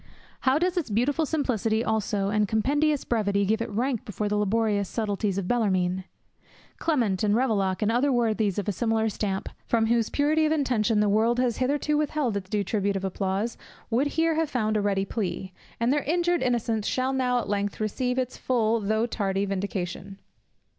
How does its beautiful simplicity also, and compendious brevity, give it rank before the laborious subtleties of Bellarmine! Clement, and Ravaillac, and other worthies of a similar stamp, from whose purity of intention the world has hitherto withheld its due tribute of applause, would here have found a ready plea; and their injured innocence shall now at length receive its full though tardy vindication.